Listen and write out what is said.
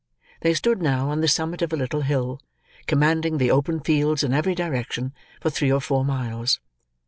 They stood now, on the summit of a little hill, commanding the open fields in every direction for three or four miles.